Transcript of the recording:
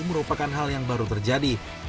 merupakan hal yang baru terjadi